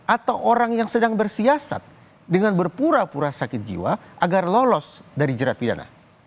atau orang yang sedang bersiasat dengan berpura pura sakit jiwa agar lolos dari jerat pidana